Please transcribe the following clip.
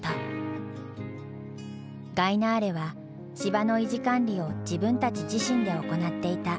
ガイナーレは芝の維持管理を自分たち自身で行っていた。